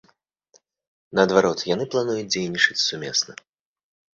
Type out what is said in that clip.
Наадварот, яны плануюць дзейнічаць сумесна.